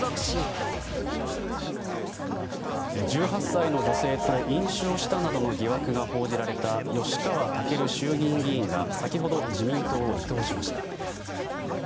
１８歳の女性と飲酒をしたなどの疑惑が報じられた吉川赳衆議院議員が先ほど、自民党を離党しました。